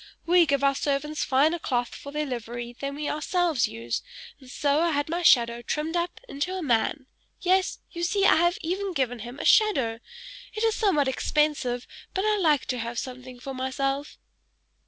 We give our servants finer cloth for their livery than we ourselves use, and so I had my shadow trimmed up into a man: yes, you see I have even given him a shadow. It is somewhat expensive, but I like to have something for myself!"